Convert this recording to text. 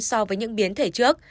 so với những biến thể trước